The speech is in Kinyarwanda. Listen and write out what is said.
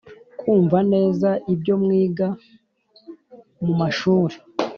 kumva neza ibyo mwiga mu mashuri.